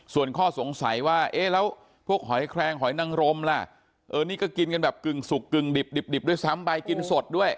ส่วนข้อสงสัยว่าเอ๊ะแล้วพวกหอยแครงหอยนังรมล่ะเออนี่ก็กินกันแบบกึ่งสุกกึ่งดิบดิบด้วยซ้ำไปกินสดด้วย